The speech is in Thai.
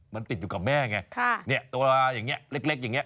มันติดอยู่กับแม่ไงเนี่ยตัวเล็กอย่างนี้